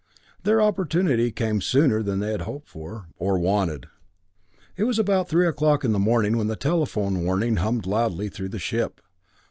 Their opportunity came sooner than they had hoped for or wanted. It was about three o'clock in the morning when the telephone warning hummed loudly through the ship.